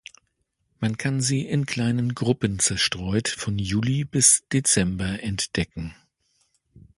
Man kann sie in kleinen Gruppen zerstreut von Juli bis Dezember entdecken.